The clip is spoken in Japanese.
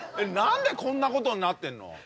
何でこんなことになってんの？